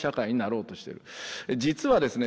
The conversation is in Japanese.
実はですね